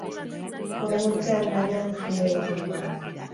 Hurrengo urtean, baina, hazkundea itzuliko da.